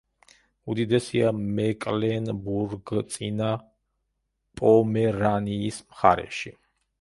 უდიდესია მეკლენბურგ-წინა პომერანიის მხარეში.